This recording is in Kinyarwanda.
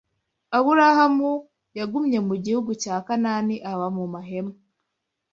Aburahamu yagumye mu gihugu cya Kanani aba mu mahema